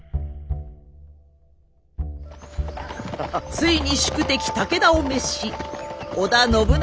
ついに宿敵武田を滅し織田信長